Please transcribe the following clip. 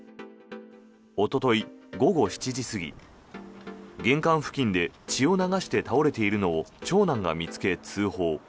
おととい午後７時過ぎ玄関付近で血を流して倒れているのを長男が見つけ、通報。